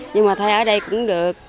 nhưng mà thay ở đây cũng được